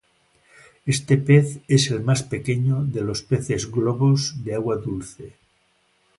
Este pez es el más pequeño de los peces globos de agua dulce.